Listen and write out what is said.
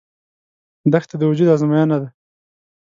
دښته د وجود ازموینه ده.